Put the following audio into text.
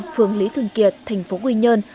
phương lý thường kiệt tp quy nhơn